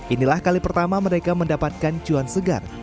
inilah kali pertama mereka mendapatkan cuan segar